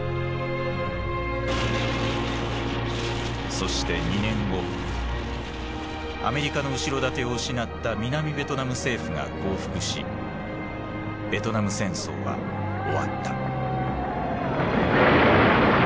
そして２年後アメリカの後ろ盾を失った南ベトナム政府が降伏しベトナム戦争は終わった。